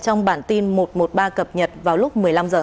trong bản tin một trăm một mươi ba cập nhật vào lúc một mươi năm h